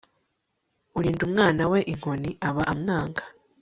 urinda umwana we inkoni, aba amwanga